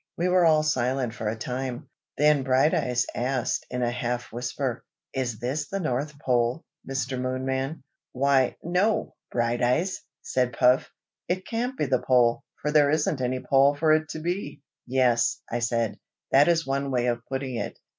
We were all silent for a time: then Brighteyes asked in a half whisper. "Is this the North Pole, Mr. Moonman?" "Why, no, Brighteyes!" said Puff. "It can't be the Pole, for there isn't any pole for it to be!" "Yes," I said, "that is one way of putting it.